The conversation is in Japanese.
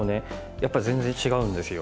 やっぱり全然違うんですよ。